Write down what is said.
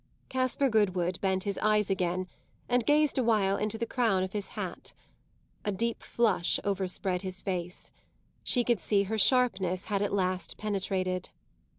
Caspar Goodwood bent his eyes again and gazed a while into the crown of his hat. A deep flush overspread his face; she could see her sharpness had at last penetrated.